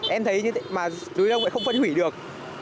em thấy túi ni lông không phân hủy được